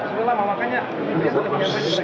makanya ini adalah pernyataan yang berarti